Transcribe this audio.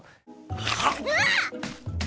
うわあっ！